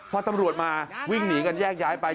พอตำรวจมาวิ่งหนีกันแยกย้ายไป